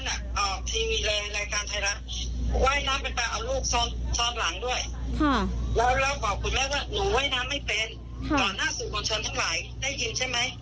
ก่อนอ้านสุขวนชนทั้งหลายได้ยินใช่ไหม